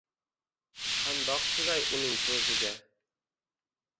Qandoq chizay uning ko’ziga